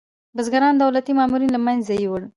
بزګرانو دولتي مامورین له منځه یوړل.